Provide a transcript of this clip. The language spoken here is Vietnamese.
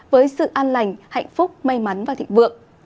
với sự an lành hạnh phúc may mắn và thịnh vượng